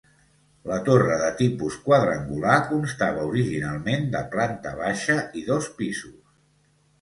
La torre, de tipus quadrangular, constava originalment de planta baixa i dos pisos.